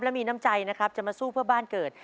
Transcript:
และมีน้ำใจนะครับจะมาสู้เพื่อบ้านเกิด